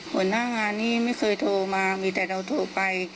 หัวหน้างานนี้ไม่เคยโทรมามีแต่เราโทรไป